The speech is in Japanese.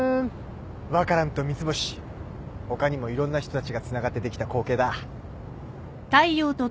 ワカランと三ツ星他にもいろんな人たちがつながってできた光景だ。